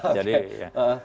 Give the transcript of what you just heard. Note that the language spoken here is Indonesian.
padat jadi ya